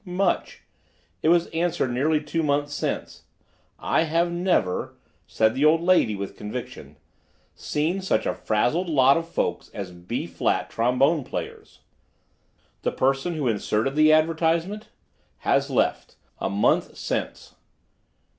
"Much. It was answered nearly two months since. I have never," said the old lady with conviction, "seen such a frazzled lot of folks as B flat trombone players." "The person who inserted the advertisement—?" "Has left. A month since."